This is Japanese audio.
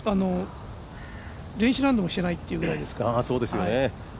練習ラウンドもしてないってくらいですから。